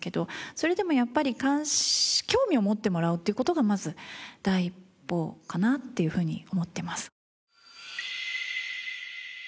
それでもやっぱり興味を持ってもらうって事がまず第一歩かなっていうふうに思ってます。